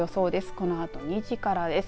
このあと２時からです。